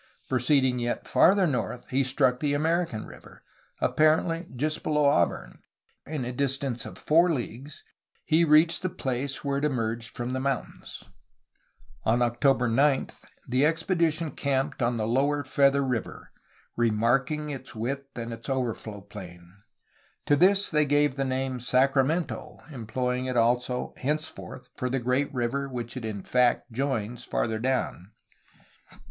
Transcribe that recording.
Proceeding yet farther north he struck the American River, apparently just below Auburn, for in a distance of four leagues he reached the place where it emerged from the mountains. On October 9 the expedition camped on the lower Feather River, remarking its width and its overflow plain. To this they gave the name "Sacra mento," employing it also, henceforth, for the great river which it in fact joins farther down.